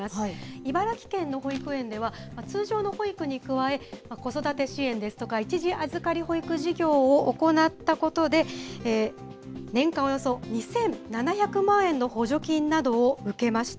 茨城県の保育園では、通常の保育に加え、子育て支援ですとか一時預かり保育事業を行ったことで、年間およそ２７００万円の補助金などを受けました。